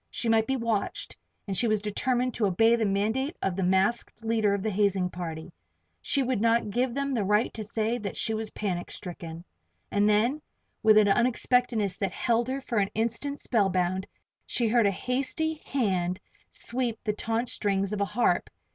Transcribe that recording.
She might be watched, and she was determined to obey the mandate of the masked leader of the hazing party. She would not give them the right to say that she was panic stricken. And then, with an unexpectedness that held her for an instant spellbound, she heard a hasty hand sweep the taut strings of a harp!